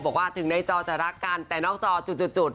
บอกว่าถึงในจอจะรักกันแต่นอกจอจุด